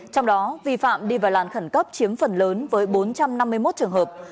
trong đó vi phạm đi vào làn khẩn cấp chiếm phần lớn với bốn trăm năm mươi một trường hợp